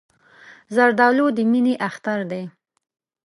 زردالو د مینې اختر دی.